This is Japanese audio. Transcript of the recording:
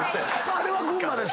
それは群馬です。